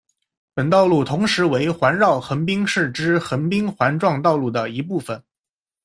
本道路同时为环绕横滨市之横滨环状道路的一部份。